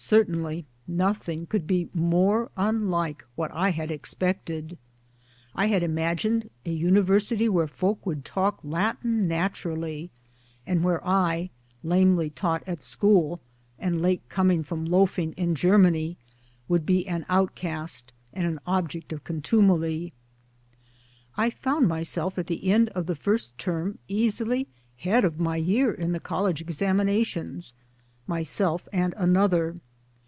Certainly nothing could be more unlike what I had expected. I had imagined a university where folk would talk Latin naturally and where I, lamely taught at school and late coming from loafing in Germany, would be an outcast and an object of con tumely. I found myself at the end of the first term easily head of my year in the College examinations. Myself and another.